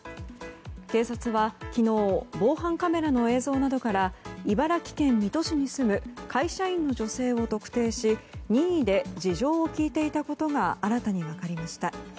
警察は昨日防犯カメラの映像などから茨城県水戸市に住む会社員の女性を特定し任意で事情を聴いていたことが新たに分かりました。